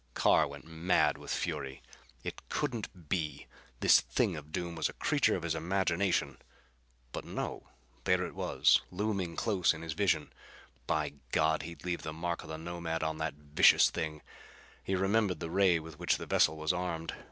Carr went mad with fury. It couldn't be! This thing of doom was a creature of his imagination! But no there it was, looming close in his vision. By God, he'd leave the mark of the Nomad on the vicious thing! He remembered the ray with which the vessel was armed.